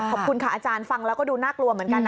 ขอบคุณค่ะอาจารย์ฟังแล้วก็ดูน่ากลัวเหมือนกันนะ